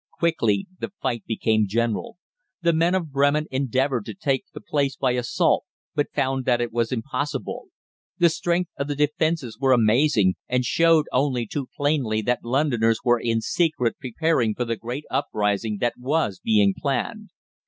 Quickly the fight became general. The men of Bremen endeavoured to take the place by assault, but found that it was impossible. The strength of the defences was amazing, and showed only too plainly that Londoners were in secret preparing for the great uprising that was being planned.